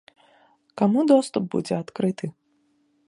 Каму доступ будзе адкрыты?